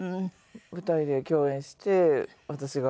舞台で共演して私が。